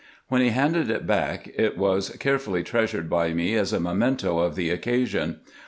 When he handed it back, it was carefully treasured by me as a memento of the occasion.